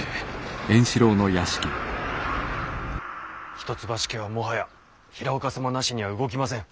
一橋家はもはや平岡様なしには動きません。